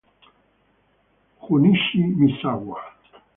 Junichi Misawa